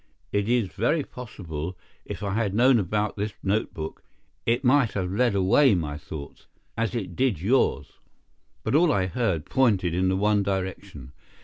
It is very possible if I had known about this notebook it might have led away my thoughts, as it did yours. But all I heard pointed in the one direction.